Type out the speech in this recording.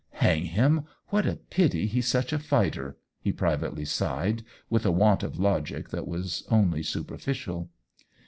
" Hang him — what a pity he's such a fighter !" he privately sighed, with a want of logic that was only superficial.